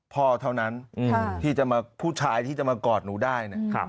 พ่อเท่านั้นที่จะมาผู้ชายที่จะมากอดหนูได้เนี่ย